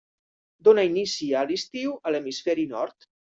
Dóna inici a l'estiu a l'hemisferi nord.